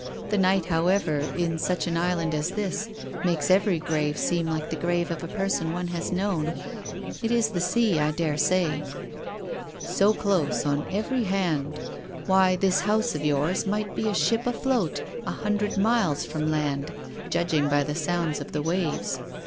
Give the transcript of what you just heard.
The night, however, in such an island as this, makes every grave seem like the grave of a person one has known. It is the sea, I daresay." " So close on every hand. Why, this house of yours might be a ship afloat a hundred miles from land, judging by the sounds of the waves."